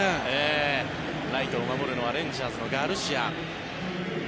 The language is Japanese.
ライトを守るのはレンジャーズのガルシア。